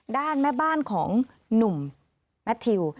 ด้านแม่บ้านของหนุ่มแมททิว